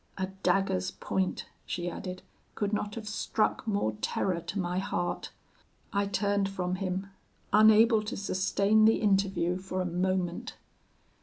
'A dagger's point,' she added, 'could not have struck more terror to my heart. I turned from him, unable to sustain the interview for a moment.'